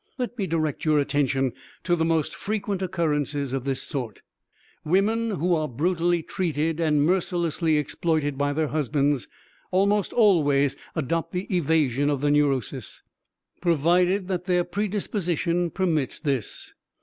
Let me direct your attention to the most frequent occurrences of this sort. Women who are brutally treated and mercilessly exploited by their husbands almost always adopt the evasion of the neurosis, provided that their predisposition permits this.